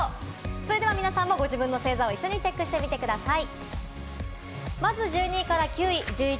それでは皆さんもご自分の星座を一緒にチェックしてみてください。